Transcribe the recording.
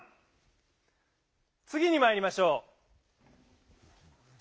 つぎにまいりましょう。